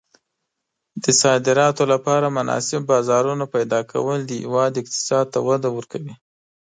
د صادراتو لپاره مناسب بازارونه پیدا کول د هېواد اقتصاد ته وده ورکوي.